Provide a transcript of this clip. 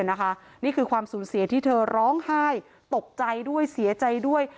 นี่คือความสูญเสียที่เธอร้องไห้ตกใจด้วยเสียใจด้วย